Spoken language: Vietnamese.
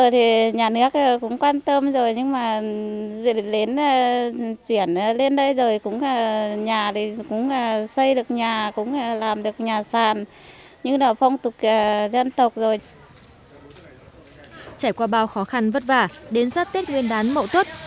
trải qua bao khó khăn vất vả đến sát tết nguyên đán mậu tuất